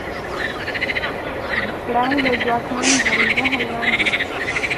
پړانګ یو ځواکمن درنده حیوان دی.